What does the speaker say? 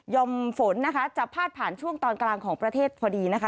มฝนนะคะจะพาดผ่านช่วงตอนกลางของประเทศพอดีนะคะ